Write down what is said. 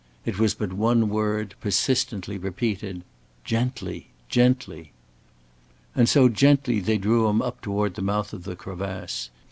It was but one word, persistently repeated: "Gently! Gently!" And so gently they drew him up toward the mouth of the crevasse.